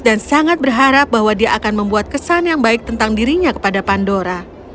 dan sangat berharap bahwa dia akan membuat kesan yang baik tentang dirinya kepada pandora